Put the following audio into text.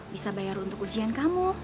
bisa bayar untuk ujian kamu